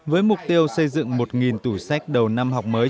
với mục tiêu xây dựng một tủ sách đầu năm học mới